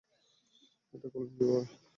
এটা করলেন কীভাবে?